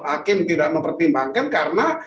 hakim tidak mempertimbangkan karena